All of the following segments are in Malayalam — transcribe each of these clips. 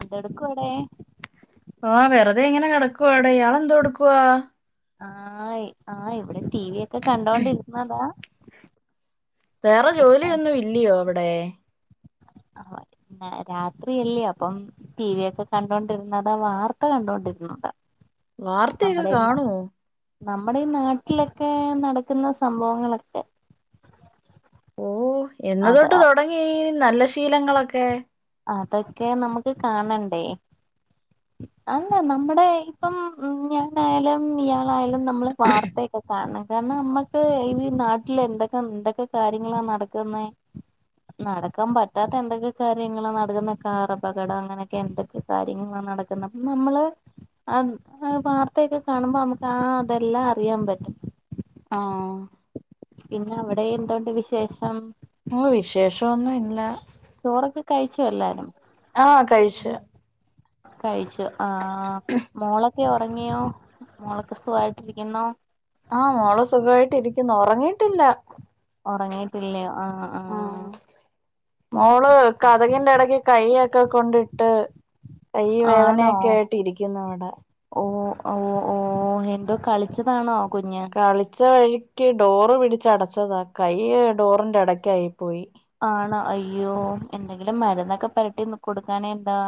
എന്തെടുക്കുവാടെ ആഹ് വെറുതെ ഇങ്ങനെ കിടക്കുവാ ഇയാളെന്തെടുക്കുവാ ആഹ് ആഹ് ഇവിടെ ടി വി ഒക്കെ കണ്ടോണ്ടിരുന്നതാ വേറെ ഇപ്പം ജോലിയൊന്നും ഇല്ലിയോ അവ്ടെ ആഹ് രാത്രിയല്ലേ അപ്പം ടി വി ഒക്കെ കണ്ടൊണ്ടിരുന്നതാ വാർത്ത കണ്ടോണ്ടിരുന്നതാ വാർത്തയൊക്കെ നമ്മുടെ അല്ല കാണുവോ നമ്മുടെ ഈ നാട്ടിലൊക്കെ നടക്ക്ന്ന സംഭവങ്ങളൊക്കെ ഓ എന്ന് അത് തൊട്ട് തൊടങ്ങി ഈ നല്ല ശീലങ്ങളൊക്കെ അതൊക്കെ നമുക്ക് കാണണ്ടേ അല്ല നമ്മുടെ ഇപ്പം ഞാനായാലും ഇയാളായാലും നമ്മള് വാർത്തയൊക്കെ കാണ കാണ നമ്മക്ക് ഈ നാട്ടില് എന്തൊക്കെ എന്തൊക്കെ കാര്യങ്ങളാ നടക്കുന്നത്. നടക്കാൻ പറ്റ പറ്റാത്ത എന്തൊക്കെ കാര്യങ്ങ നടക്കുന്ന കാർ അപകടം അങ്ങനെയൊക്കെ എന്തൊക്കെ കാര്യങ്ങള നടക്കുന്നത് പിന്നെ നമ്മള് അ വാർത്തയൊക്കെ കാണുമ്പോ നമുക്ക് ആഹ് അതെല്ലാം അറിയാൻ പറ്റും ആഹ് പിന്നെ അവിടെ എന്തുണ്ട് വിശേഷം ഓ വിശേഷന്നുല്ല ചോറൊക്കെ കഴിച്ചോഎല്ലാരും ആഹ് കഴിച്ചു കഴിച്ചു ആഹ് മോളെ ക്ക ഉറങ്ങിയോ മോളക്ക് സുഖയിട്ടിരിക്കുന്നോ ആഹ് മോള്സുഖമായിട്ട് ഇരിക്കുന്നു ഉറങ്ങിയിട്ടില്ല ഉറങ്ങീട്ടില്ലയോ ആഹ് ആഹ് മോള് കതകിന്റെ ഇടയ്ക്ക് കൈയ്യൊക്കെ കൊണ്ടിട്ട് കൈ ആണോ വേദനയൊക്കെ ആയിട്ട് ഇരിക്കുന്നു ഇവിടെ ഓ ഓഓ ഓ എന്തോ കളിച്ചതാണോ കുഞ്ഞ് കളിച്ച വഴിക്ക് ഡോറ് പിടച്ച്ടച്ചതാ കൈ ഡോറിന്റെ ഇടക്ക ആയി പോയി. ആണോ അയ്യോ എന്തെങ്കിലും മരുന്നൊക്കെ പരട്ടിന്ന് കൊടുക്കാനേഎന്താ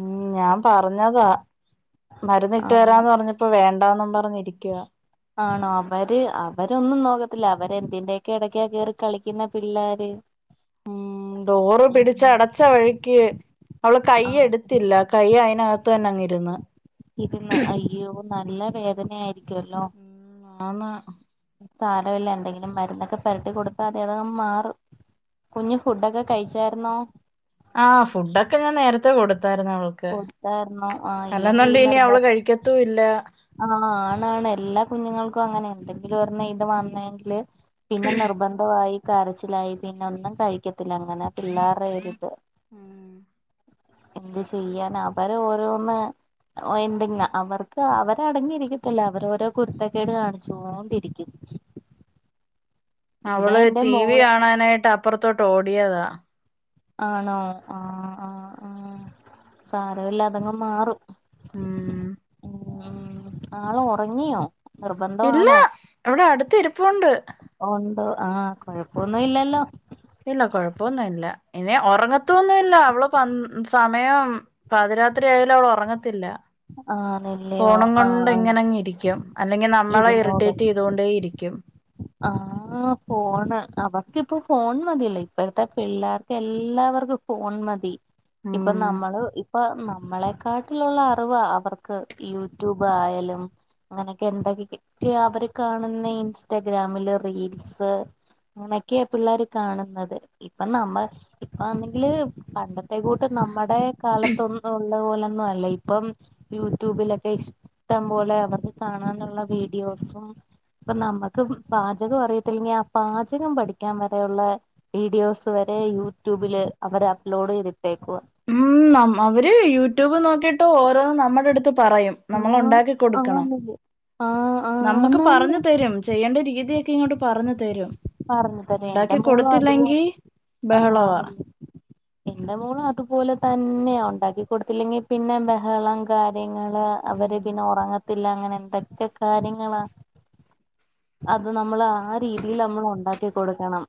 ഉം ഞാൻ പറഞ്ഞതാ മരുന്ന് ഇട്ട് ആഹ് തരാന്ന് പറഞ്ഞ് ഇപ്പൊ വേണ്ടന്നും പറഞ്ഞിരിക്കുവ. ആണോ അവര് അവരൊന്നും നോക്കത്തില്ല അവരെന്തിന്റെക്കെ ഇടക്കാ കേറി കളിക്കുന്ന പിള്ളാര് ഉം ഡോറ് പിടിച്ച അടച്ച വഴിക്ക് അവള് കയ്യ് ആഹ് എടുത്തില്ല കൈ അയിനകത്ത്ന്നെങ്ങിരുന്നു ഇരുന്ന് അയ്യോ നല്ല വേദനയായിരിക്കുല്ലോ ആന്ന് സാരമില്ല എന്തെങ്കിലും മരുന്നൊക്കെ പരട്ടി കൊടുത്താൽ അതും മാറും കുഞ്ഞ് ഫുഡൊക്കെ കഴിച്ചായിരുന്നോ ആഹ് ഫുഡൊക്കെ ഞാൻ നേരത്തെ കൊടുത്തായിരുന്നു അവൾക്ക് കൊടുത്തായിരുന്നോ ആഹ് അല്ലെന്നണ്ട് ഇനി അവള് കഴിക്ക ത്തുല്ല ആഹ്ആണ് ണ് എല്ലാ കുഞ്ഞുങ്ങൾക്കും അങ്ങനെ എന്തെങ്കിലും ഒരെണ്ണ ഇത് വന്നെങ്കില് പിന്നെ നിർബന്ധമായി കരച്ചിലായി പിന്നെ ഒന്നും കഴിക്കത്തില്ല അങ്ങനെ പിള്ളേരേരുത് ഉം എന്ത് ചെയ്യന അവര് ഓരോന്ന് എന്തെങ്കില അവർക്ക് അവ അടങ്ങിയിരിക്കത്തില്ല അവര് ഓരോ കുരുത്തക്കേട് കാണിച്ചോണ്ടിരിക്കും. അവള് എന്റെ ടി വി മോള് കാണാനായിട്ട് അപ്പുറത്തോട്ട് ഓടിയതാ. ആണോ ആഹ ആ ആ സാരല്ല അതങ്ങ മാറും. ഉം ഉ ആള്ഉറങ്ങിയോ ഇല്ല ഇവിടെ അടുത്തിരിപ്പുണ്ട് ഉണ്ടോ ആഹ് കൊഴപ്പൊന്നും ഇല്ലല്ലോ. ഇല്ല കൊഴപ്പൊന്നുല്ല ഇനി ഉറങ്ങത്തൊന്നുംല്ല അവള് പ സമയം പാതിരാത്രി ആയാലും അവള് ഉറങ്ങത്തില്ല ആണല്ലയോ ഫോണ് കൊണ്ട് ആഹ് ഇങ്ങനെ ഇരിക്കും. അല്ലെങ്കിൽ നമ്മളെ ഇറിറ്റേറ്റ് ചെയ്ത കൊണ്ടേ ഇരിക്കും ക്കും ആ ഫോണ് അവർക്കിപ്പോ ഫോൺ മതിയല്ലേ ഇപ്പോഴത്തെ പിള്ളേർക്ക് എല്ലാവർക്കും ഫോൺ മതി ഇപ്പൊ ഉം നമ്മള് ഇപ്പൊ നമ്മളെക്കാട്ട ത്തിലുള്ള അറിവ് അവർക്ക് യൂട്യൂബ് ആയാലും അങ്ങനെയൊക്കെ എന്തൊക്കെയ അവര് കാണുന്ന ഇൻസ്റ്റാഗ്രാമില് റീൽസ് അങ്ങനൊക്കെയാ പിള്ളേർ കാണുന്നത് ഇപ്പൊ നമ്മ ഇപ്പാന്നെങ്കില് പണ്ടത്തെക്കൂട്ട് നമ്മടെ കാലത്തൊന്നും ഉള്ള പോലൊന്നും അല്ല ഇപ്പം യൂട്യൂബിലൊക്കെ ഇഷ്ടം പോലെ അവർക്ക് കാണാനുള്ള വീഡിയോസും ഇപ്പൊ നമ്മുക്ക് പാചകം അറിയത്തില്ലെങ്കിൽ ആ പാചകം പഠിക്കാൻ വരെയുള്ള വീഡിയോസ് വരെ യൂട്യൂബില് അവര് അപ്ലോഡ് ചെയ്തിട്ടേക്കുക ഉ അവര് യൂട്യൂബ് നോക്കിയിട്ട് ഓരോന്ന് നമ്മുടെ അടുത്ത് പറയും നമ്മൾ ഉണ്ടാക്കി ആഹ് കൊടുക്കണം ആന്നില്ലേ ആഹ് നമ്മുക്ക് ആന്നാന്ന് പറഞ്ഞു തരും ചെയ്യെണ്ട രീതിയൊക്കെ ഇങ്ങോട്ട് പറഞ്ഞ് തരും പറഞ്ഞ് തരും എന്റെ ഉണ്ടാക്കി മോളും അതുപോ കൊടുത്തില്ലെങ്കി ബഹളവാ ആഹ് എന്റെ മോളും അതുപോലെ തന്നെയാ ഉണ്ടാക്കി കൊടുത്തില്ലെങ്കി പിന്നെ ബെഹെളം കാര്യങ്ങള് അവര് ഉം പിന്നെ ഒറങ്ങ ത്തില്ല അങ്ങെനെ ന്തൊക്കെ കാര്യങ്ങളാ അത് നമ്മള് ആ രീതീൽ അമ്മള് ഉ ണ്ടാക്കി കൊട്ക്കണം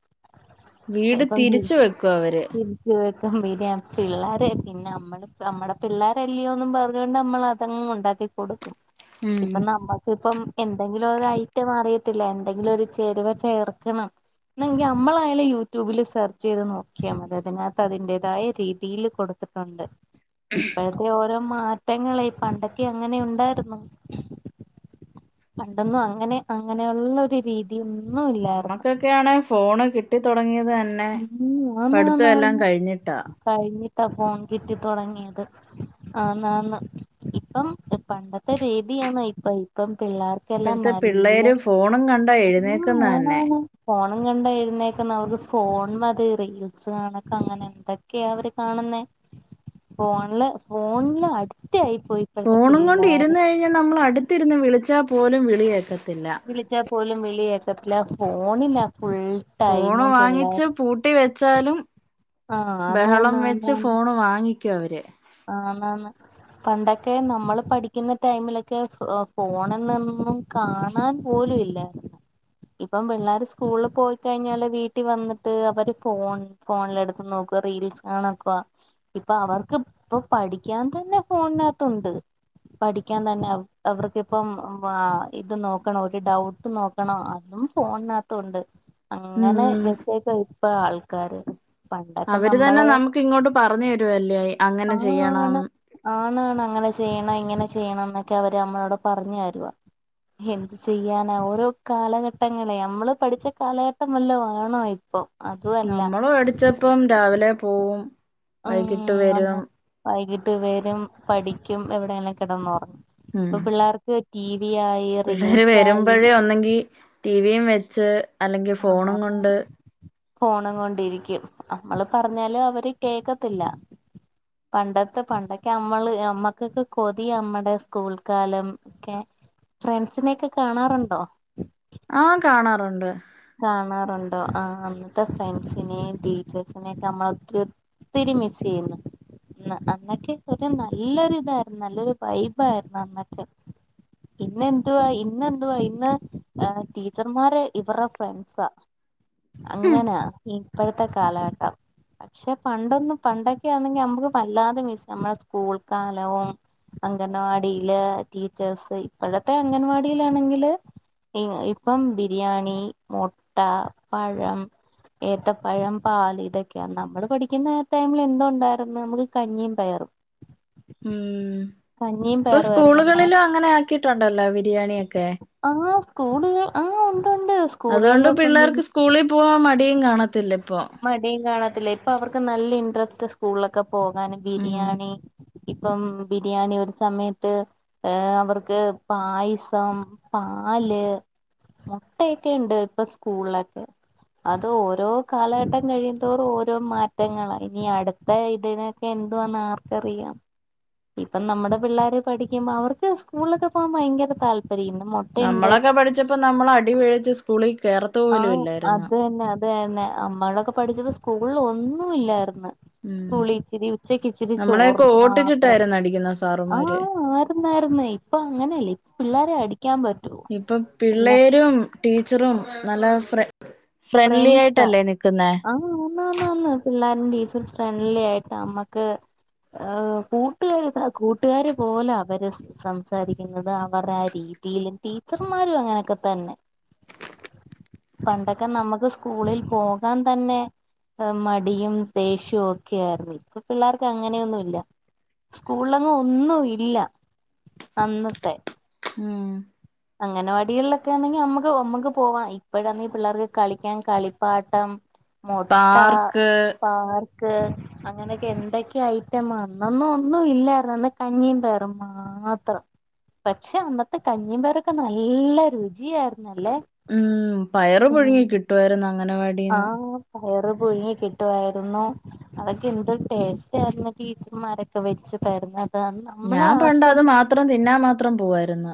വീട് തിരിച്ച് വെക്കു അവര് വെക്കും പിന്ന്യാ പിള്ളാരെ പിന്നെ അമ്മെടെ അമ്മെടെ പിള്ളാരെല്ല്യോന്നും പർഞ്ഞുകൊണ്ട് നമ്മള് അ തങ്ങ് ഉണ്ടാക്കി കൊട്ക്കും ഉം ഇപ്പം നമ്മക്ക്പ്പം എന്തെങ്കിലാെരയ്റ്റം അറിയത്തില്ല എന്തെങ്കിലും ഒര് ചേരുവ ചേർ കണം ന്നെങ്കി അമ്മളായാലും യൂട്യൂബില് സെർച്ചെയ്ത് നോക്ക്യാ മതി അതിനകത്ത് അതിന്റേതായ രീതിയില് കൊടു ത്ത്ട്ടുണ്ട് ഇപ്പഴ് ഞ്ഞോ ഓരോ മാറ്റങ്ങളേ പണ്ടൊക്കെ എങ്ങെനെ ഉണ്ടായ്ര്ന്നു പണ്ടാെന്നും അങ്ങെനെ അങ്ങെനെയുള്ളൊരു രീതിയൊന്നും ഇല്ലായ്റ് തൊക്കെയാണ് ഫോണ് കിട്ടി തൊടങ്ങിയത് തന്നെ ഉം പഠിത്തം എല്ലാം ആന്നാന്നാന്ന് കഴിഞ്ഞിട്ടാ കഴിഞ്ഞിട്ടാ ഫോൺ കിട്ടി തൊടങ്ങിയത് ആന്ന് ആന്ന് ഇപ്പം പണ്ടത്തെ രീതിയാന്നോ ഇപ്പം ഇപ്പം പിള്ളാര് ക്കെല്ലാം ഇപ്പോഴത്തെ നല്ലെ പിള്ളേര് ഫോണും കണ്ടാ ആഹ് എഴുന്നേക്കുന്ന തന്നെ ആണാണ് ഫോണും കണ്ടെഴ്ന്നേക്ക്ന്ന അവർ ഫോൺ മതി റീൽസ് കണക്കെ അങ്ങെനെ എന്തെക്കെയാ അവര് കാണ്ന്നെ ഫോൺല് ഫോൺല് അടിറ്റായി പോയി ഇപ്പോഴത്തെ ഫോണും കൊണ്ട് പിള്ളേര് ഇരുന്ന് കഴിഞ്ഞാ നമ്മള് അട്ത്തിര്ന്ന് വിളിച്ചാ പോലും വിളികേക്കത്തില്ല വിളിച്ചാ പോലും വിളികേക്കത്തില്ല ഫോണിലാ ഫുൾ ഫോണ് ടൈമും പിള്ളേർ വാങ്ങിച്ച് പൂട്ടി വെച്ചാലും ആഹ് ബെഹെളം ആന്നാന്ന് വെച്ച് ആന്നാന്ന് ഫോണ് വാങ്ങിക്കു അവര് ആന്നാന്ന് പണ്ടൊക്കെ നമ്മള് പഠിക്ക്ന്ന ടൈമിലൊക്കെ ഫ് ഫോണ്ന്ന്ന്നും കാണാൻ പോലു ഇല്ലാ ഇപ്പം പിള്ളാര് സ്കൂൾല് പോയ്ക്കഴിഞ്ഞാല് വീട്ടി വന്നിട്ട് അവര് ഫോൺ ഫോൺലെടുത്ത് നോക്കുവ റീൽസ് കാണാക്കുവ ഇപ്പൊ അവർക്ക് ഇപ്പൊ പഠിക്കാൻ തന്നെ ഫോൺനകത്തുണ്ട് പഠിക്കാൻ തന്നെ അവർക്കിപ്പം ഏഹ് ഇത് നോക്കണം ഒര് ഡൗട്ട് നോ ക്കണം അതും ഫോൺനകത്തുണ്ട് അങ്ങെനെ ഉം വെച്ചേക്ക ഇപ്പ ആൾക്കാര് പണ്ടൊക്കെ അവര് തന്നെ നമ്മള് നമുക്ക് ഇങ്ങോട്ട് പറഞ്ഞു തരുവെല്ലേ ആ അങ്ങെനെ ചെയ്യണം ആണ് ആണാണ് അങ്ങെനെ ചെയ്യെണം ഇങ്ങെനെ ചെയ്യെണം എന്നൊക്കെ അവര് നമ്മളോട് പറഞ്ഞ് തരുവാ എന്തു ചെയ്യാനാ ഓരോ കാലഘട്ടങ്ങളെ അമ്മള് പഠിച്ച കാലഘെട്ടം വല്ലോം ആണോ ഇപ്പൊ നമ്മള് പഠിച്ചപ്പം രാവിലെ പോവും വൈകിട്ട് ഉം വരും അതാ വൈകിട്ട് വെരും പഠിക്കും എവിടേലും കെടെന്നാെറ ഉം ഇപ്പ പിള്ളേർക്ക് റ്റീവി ആയ് പിള്ളേര് വര്മ്പഴേ ഒന്നെങ്കി ടീവിയും വെച്ച് അല്ലെങ്കിൽ ആഹ് ഫോണും ആന്നാന്ന് കൊണ്ട് ഫോണും കൊണ്ടിരിക്കും നമ്മള് പറഞ്ഞാല് അവര് കേക്കത്തില്ല പണ്ടത്തെ പണ്ടൊക്കെ അമ്മള് അമ്മക്കൊക്കെ കൊതിയാ അമ്മടെ സ്കൂൾ കാലം ക്കെ ഫ്രണ്ട്സിനെയെക്കെ കാണാറുണ്ടോ ആഹ് കാണാറുണ്ട് കാണാറുണ്ടോ ആഹ് അന്നത്തെ ഫ്രണ്ട്സിനെയും ടീച്ചേഴ്സിനെയും ഒക്കെ അമ്മള് ഒത്ത്‌രി ഒ ത്തിരി മിസ്സെയ്യ്ന്ന് അന്നൊക്കെ ഒരു നല്ലൊരു ഇതായ്ര്ന്നു നല്ലൊരു വൈബായിര്ന്നു അന്നൊക്കെ ഇന്നെന്തുവാ ഇന്നെന്തുവാ ഇന്ന് എഹ് ടീച്ചർമാര് ഇവറെ ഫ്രണ്ട്സാ അങ്ങനാ ഇപ്പോഴത്തെ കാലഘട്ടം പക്ഷേ പണ്ടൊന്നും പണ്ടൊക്കൊണെങ്കി നമ്മക്ക് വല്ലാതെ മിസ്സ് ആകും നമ്മുടെ സ്കൂൾ കാലവും അംഗൻവാടിയില് ടീച്ചേഴ്‌സ് ഇപ്പോഴത്തെ അംഗൻവാടിയിലാണെങ്കില് ഇപ്പം ബിരിയാണി മുട്ട പഴം ഏത്തപ്പഴം പാല് ഇതൊക്കെയാ നമ്മള് പഠിക്കുന്ന ടൈമിൽ എന്തോ ഉണ്ടായിരുന്ന് നമുക്ക് കഞ്ഞിയും പയറും ഉം കഞ്ഞിയും ഇപ്പോ പയറുമായിരുന്നു മാ സ്കൂളുകളിലും അങ്ങനെ ആക്കിട്ടുണ്ടല്ലോ ബിരിയാണിയൊക്കെ ആ്ഹ് സ്കൂളുകൾ ആഹ് ഉണ്ട് ഉണ്ട് അതുകൊണ്ട് പിള്ളേർക്ക് സ്കൂളിൽ പോവാൻ മടിയും കാണത്തില്ല ഇപ്പോ മടിയും കാണത്തില്ല ഇപ്പോ അവർക്ക് നല്ല ഇൻട്രസ്റ്റ് സ്കൂളിലൊക്കെ പോകാന് ഉം ബിരിയാണി ഇപ്പം ബിരിയാണി ഒരു സമയത്ത് ഏ അവർക്ക് പായസം പാല് മുട്ടയൊക്കെ ഉണ്ട് ഇപ്പോ സ്കൂളിലൊക്കെ അത് ഓരോ കാലഘട്ടം കഴിയുന്തോറും ഓരോ മാറ്റങ്ങളാ ഇനി അടുത്ത ഇതിനൊക്കെ എന്തുവാന്ന് ആർക്കറിയാം ഇപ്പം നമ്മുടെ പിള്ളാര് പഠിക്കുമ്പോ അവർക്ക് സ്കൂളിലൊക്കെ പോകാൻ ഭയങ്കര താല്പര്യണ് നമ്മളെക്കെ പഠിച്ചപ്പോ നമ്മള് അടി പേടിച്ചു സ്കൂളിൽ കേറത്ത് പോലും ഇല്ലായിരുന്ന് അതന്നെ നമ്മളെക്കെ പഠിച്ചപ്പോ സ്കൂളിൽ ഒന്നുല്ലായിരുന്നു ഉം സ്കൂളിൽ ഇച്ചിരി ഉച്ചക്ക് ഇച്ചിരി ചോറ് നമ്മളെയൊക്കെ മാത്രം ഓട്ടിച്ചിട്ടായിരുന്നു അടിക്കുന്ന സാറുമാര് ആഹ് ആയിരുന്നായിരുന്നേ ഇപ്പോ അങ്ങനെയല്ലേ പിള്ളേരെ അടിക്കാൻ പറ്റുവോ ഇപ്പൊ പിള്ള പിള്ളേരും ടീച്ചറും നല്ല ഫ്ര ഫ്രണ്ട്ലി ആയിട്ടല്ലേ നിൽക്കുന്നേ ആന്ന് ആന്ന് പിള്ളാരും ടീച്ചറും ഫ്രണ്ട്ലി ആയിട്ടാ നമ്മക്ക് ഏ കൂട്ടുകാ കൂട്ടുകാര് പോലെയാ അവര് സംസാരിക്കുന്നത് അവരടെ ആ രീതിയില് ടീച്ചർമാരും അങ്ങനെയൊക്കെ തന്നെ പണ്ടൊക്കെ നമുക്ക് സ്കൂളിൽ പോകാൻ തന്നെ മടിയും ദേഷ്യവും ഒക്കെ ആരുന്നു ഇപ്പോ പിള്ളാർക്ക് അങ്ങനെയൊന്നുല്ല സ്കൂളിലെങ്ങും ഒന്നും ഇല്ല അന്നത്തെ ഉം അംഗന വാടികളിലൊക്കെ ആണ ങ്കിൽ നമുക്ക് നമ്മുക്ക് പോവാം ഇപ്പഴാണെങ്കിൽ പിള്ളാർക്ക് കളിക്കാൻ കളിപ്പാട്ടം മുട്ട പാർക്ക് പാർക്ക് അങ്ങനൊക്കെ എന്തൊക്കെ ഐറ്റമാ അന്നൊന്നും ഒന്നും ഇല്ലായിരുന്നു അന്ന് കഞ്ഞിയും പയറും മാത്രം പക്ഷേ അന്നത്തെ കഞ്ഞിയും പയറും ഒക്കെ നല്ല രുചിയായിരു ന്നല്ലേ ഉം പയറ് പുഴുങ്ങി കിട്ടുവായിരുന്നു അംഗന വാടിയി ആഹ് പയറ് പുഴുങ്ങി കിട്ടുവാ യിരുന്നു അതൊക്കെ എന്തൊരു ടേസ്റ്റ് ആയിരുന്ന് ടീച്ചർമാരൊക്കെ വെച്ച് തരുന്നേ നമ്മളെ ഞാൻ പണ്ട് അത് ആസ്വദി മാത്രം തിന്നാ മാത്രം പോവായിരുന്ന്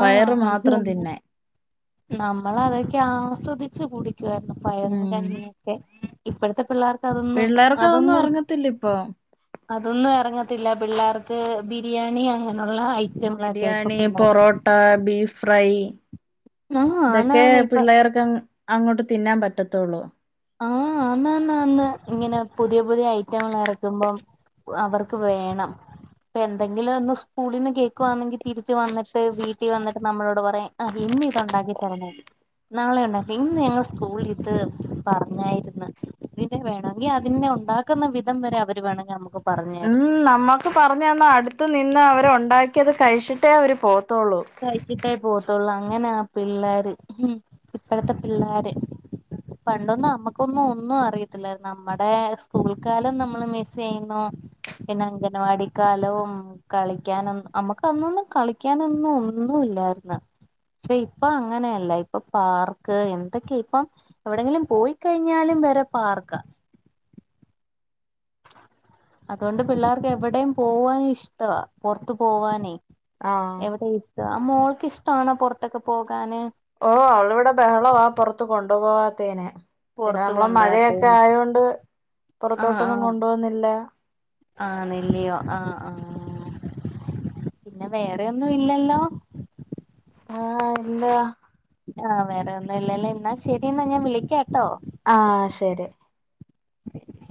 പയറ് മാത്രം തിന്നാൻ നമ്മള് അതൊക്കെ ആസ്വദിച്ച് കുടിക്കുവായിരുന്നു പയറും ഉം കഞ്ഞിയൊക്കെ ഇപ്പഴത്തെ പിള്ളേർക്ക് അതൊന്നും പിള്ളേർക്ക് അതൊന്നും ഇ അറിഞ്ഞത്തില്ല ഇപ്പൊ അതൊന്നും ഇറങ്ങത്തില്ല പിള്ളാ ർക്ക് ബിരിയാണി അങ്ങനെയുള്ള ഐ ബിരിയാണി പൊറോട്ട ബീഫ് ഫ്രൈ ആഹ് ഇതെക്കെ ആണാണ് ഇപ്പൊ പിള്ളേർക്ക് അങ്ങോട്ട് തിന്നാൻ പറ്റത്തൊള്ളൂ ആഹ് ആന്ന് ആന്ന് ആന്ന് ഇങ്ങനെ പുതിയ പുതിയ ഐറ്റങ്ങൾ എറക്കുമ്പം അവർക്ക് വേണം ഇപ്പോ എന്തെങ്കിലും ഒന്ന് സ്കൂളിൽ നിന്ന് കേൾക്കുവാണെങ്കിൽ തിരിച്ചു വന്നിട്ട് വീട്ടിൽ വന്നിട്ട് നമ്മളോട് പറയും ആഹ് ഇന്ന് ഇത് ഉണ്ടാക്കി തരണേ നാളെ ഉണ്ടാക്കി ഇന്ന് ഞങ്ങടെ സ്കൂളിലിതു പറഞ്ഞായിരുന്നു ഇതിനെ വേണമെങ്കിൽ അതിനെ ഉണ്ടാക്കുന്ന വിധം വരെ അവര് വേണമെങ്കിൽ നമുക്ക് പറഞ്ഞു ഉം തരും നമ്മക്ക് പറഞ്ഞ തന്നാ അടുത്ത നിന്ന് അവരെ ഉണ്ടാക്കിയത് കഴിച്ചിട്ടേ അവര് പോവത്തോള്ളൂ കഴച്ചിട്ടേ പോവത്തുള്ളൂ അങ്ങനെ പിള്ളോര് ഇപ്പഴത്തെ പിള്ളോര് പണ്ടൊന്നും നമ്മക്കൊന്നും ഒന്നും അറിയത്തില്ല നമ്മുടെ സ്കൂൾ കാലം നമ്മള് മിസ് ചെയ്യുന്നു പിന്നെ അംഗൻവാടി കാലവും കളിക്കാന നമ്മുക്ക അന്നൊന്നും കളിക്കാനൊന്നും ഒന്നും ഇല്ലായിരുന്ന് പക്ഷെ ഇപ്പൊ അങ്ങനെയല്ല ഇപ്പൊ പാർക്ക് എന്തൊക്കെയ ഇപ്പ എവിടെങ്കിലും പോയിക്കഴിഞ്ഞാലും വരെ പാർക്ക അതുകൊണ്ട് പിള്ളേർക്ക് എവിടേം പോവാന് ഇഷ്ടവാ പുറത്ത് പോവാനേ ആഹ് എവിടെ ഇഷ്ടാ ആഹ് മോൾക്ക് ഇഷ്ടാണോ പുറത്തൊക്കെ പോകാന് ഓഹ് അവളിവിടെ ബഹളവാ പുറത്ത് കൊണ്ടു പോവാത്തേനെ പിന്നെ പുറത്ത് നമ്മള മഴയൊക്കെ കൊണ്ടുപോകാത്തേന് ആയൊണ്ട് പുറത്തോട്ടൊന്നും കൊണ്ട് പോകുന്നില്ല ആണെല്ലയോ ആഹ് ആഹ് പിന്നെ വേറെ ഒന്നും ഇല്ലല്ലോ ആഹ് ഇല്ല ആഹ് വേറെ ഒന്നുംല്ലല്ലോ എന്നാ ശെരി എന്നാ ഞാൻ വിളിക്കാട്ടോ ആഹ് ശരി ശരി ശരി